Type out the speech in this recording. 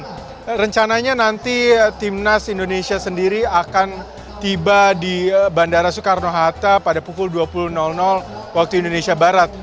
dan rencananya nanti timnas indonesia sendiri akan tiba di bandara soekarno hatta pada pukul dua puluh waktu indonesia barat